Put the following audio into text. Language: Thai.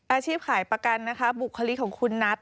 อาชีพขายประกันนะคะบุคลิกของคุณนัท